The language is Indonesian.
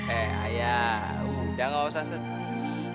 eh aya udah ga usah sedih